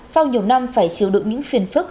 sau nhiều năm phải chịu đựng những phiền phức